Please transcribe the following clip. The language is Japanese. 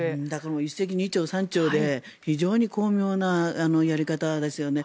一石二鳥、三鳥で巧妙なやり方ですよね。